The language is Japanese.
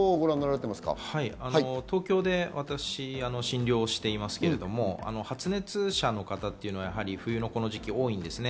東京で私、診療していますけれども、発熱者の方というのは冬の時期多いんですね。